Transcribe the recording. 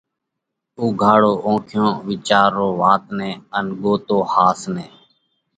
اُوگھاڙو اونکيون، وِيچارو وات نئہ ان اوۯکو ۿاس نئہ!